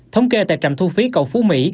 thống kê tại trạm thu phí cầu phú mỹ